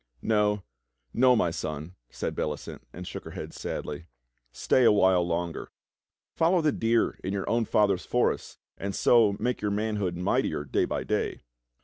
"No, no, my son," and Bellicent .shook her head sadly, "stay a while longer. Follow the deer in your owm father's forests, and so make your manhood mightier day by day."